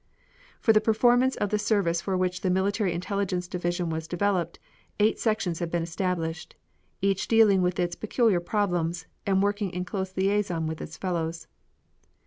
For the performance of the service for which the Military Intelligence Division was developed, eight sections have been established, each dealing with its peculiar problems, and working in close liaison with its fellows....